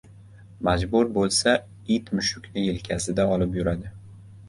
• Majbur bo‘lsa, it mushukni yelkasida olib yuradi.